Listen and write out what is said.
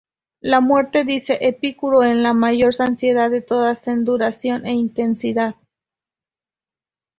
La muerte, dice Epicuro, es la mayor ansiedad de todas, en duración e intensidad.